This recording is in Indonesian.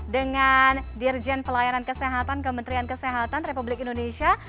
dengan dirjen pelayanan kesehatan kementerian kesehatan republik indonesia